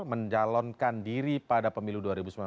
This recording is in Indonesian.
mencalonkan diri pada pemilu dua ribu sembilan belas